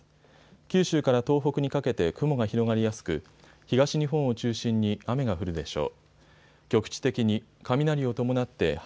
九州から東北にかけて雲が広がりやすく東日本を中心に雨が降るでしょう。